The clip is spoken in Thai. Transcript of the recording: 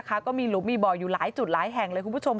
ก็มีหลุมมีบ่ออยู่หลายจุดหลายแห่งเลยคุณผู้ชม